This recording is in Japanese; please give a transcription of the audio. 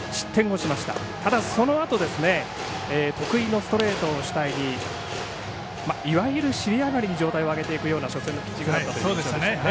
しかし、そのあと得意のストレートを主体にいわゆる尻上がりに状態を上げていくような初戦でしたね。